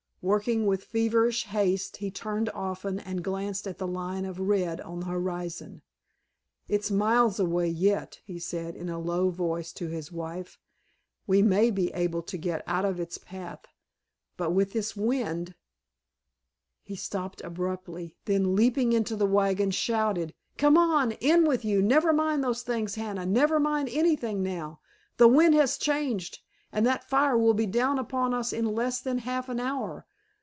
Working with feverish haste he turned often and glanced at the line of red on the horizon. "It's miles away yet," he said in a low voice to his wife; "we may be able to get out of its path, but with this wind——" He stopped abruptly, then leaping into the wagon shouted, "Come on, in with you, never mind those things, Hannah, never mind anything now! The wind has changed, and that fire will be down upon us in less than half an hour.